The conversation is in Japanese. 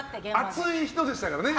熱い人でしたよね。